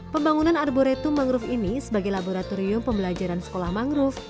pembangunan arboretum mangrove ini sebagai laboratorium pembelajaran sekolah mangrove